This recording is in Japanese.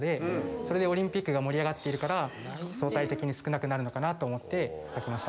それでオリンピックが盛り上がっているから相対的に少なくなるのかなと思って書きました。